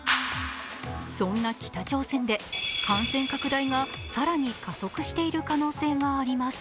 そんな北朝鮮で、感染拡大が更に加速している可能性があります。